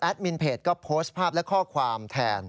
มินเพจก็โพสต์ภาพและข้อความแทน